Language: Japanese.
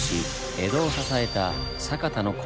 江戸を支えた酒田の米。